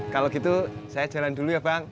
kalau gitu saya jalan dulu ya bang